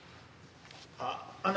あっあの。